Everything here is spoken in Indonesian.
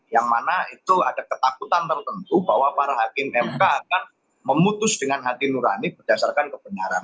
yang mana itu ada ketakutan tertentu bahwa para hakim mk akan memutus dengan hati nurani berdasarkan kebenaran